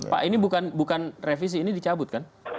pak ini bukan revisi ini dicabut kan